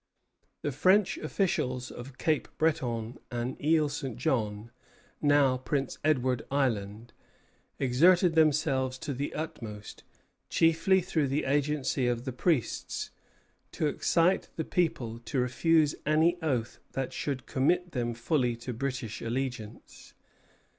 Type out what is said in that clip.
The French officials of Cape Breton and Isle St. Jean, now Prince Edward Island, exerted themselves to the utmost, chiefly through the agency of the priests, to excite the people to refuse any oath that should commit them fully to British allegiance.